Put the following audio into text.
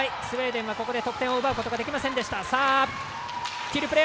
スウェーデンは得点を奪うことができませんでした。